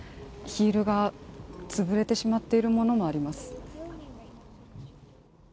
ヒールが潰れてしまっているものもあります。